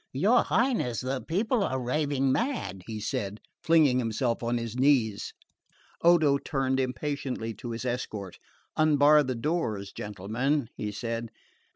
"Your Highness, the people are raving mad," he said, flinging himself on his knees. Odo turned impatiently to his escort. "Unbar the doors, gentlemen," he said.